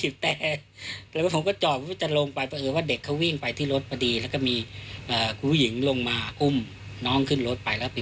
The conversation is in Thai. นั่งคนเดียวหรือมั้งค่ะลักษณะนี้